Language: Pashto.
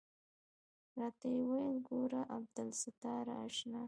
راته ويې ويل ګوره عبدالستاره اشنا.